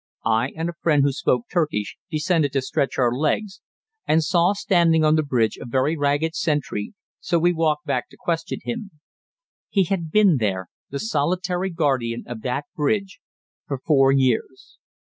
I and a friend who spoke Turkish descended to stretch our legs, and saw standing on the bridge a very ragged sentry, so we walked back to question him. He had been there, the solitary guardian of that bridge, for four years.